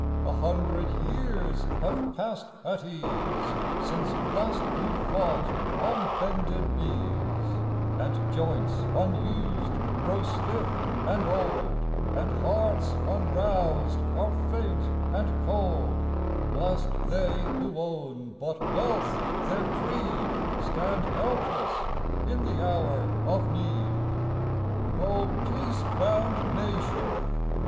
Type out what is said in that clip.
A hundred years have passed at ease Since last you fought on bended knees; And joints, unused, grow stiff and old, And hearts unroused are faint and cold; Whilst they who own but wealth, their creed, Stand helpless in the hour of need. Oh peace bound nation!